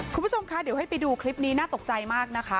คุณผู้ชมคะเดี๋ยวให้ไปดูคลิปนี้น่าตกใจมากนะคะ